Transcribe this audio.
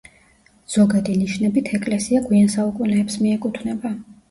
ზოგადი ნიშნებით ეკლესია გვიან საუკუნეებს მიეკუთვნება.